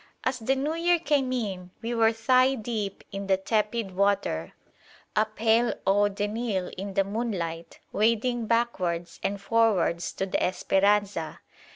As the New Year came in, we were thigh deep in the tepid water, a pale eau de Nil in the moonlight, wading backwards and forwards to the "Esperanza."